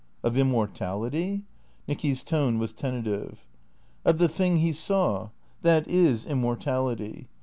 "Of immortality?" Nicky's tone was tentative. " Of the thing he saw. That is immortality.